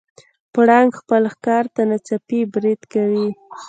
پړانګ خپل ښکار ته ناڅاپي برید کوي.